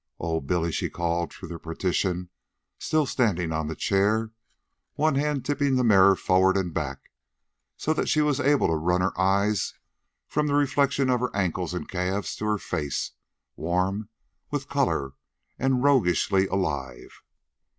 "Oh, Billy!" she called through the partition, still standing on the chair, one hand tipping the mirror forward and back, so that she was able to run her eyes from the reflection of her ankles and calves to her face, warm with color and roguishly alive.